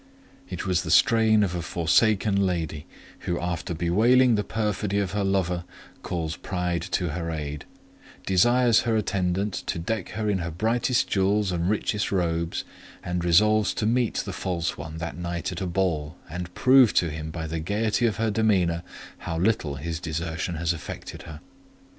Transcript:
It was the strain of a forsaken lady, who, after bewailing the perfidy of her lover, calls pride to her aid; desires her attendant to deck her in her brightest jewels and richest robes, and resolves to meet the false one that night at a ball, and prove to him, by the gaiety of her demeanour, how little his desertion has affected her.